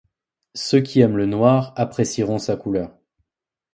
Ceux qui aiment le noir apprécieront sa couleur.